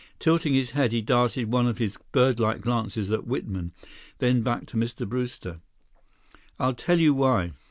Tilting his head, he darted one of his birdlike glances at Whitman, then back to Mr. Brewster. "I'll tell you why.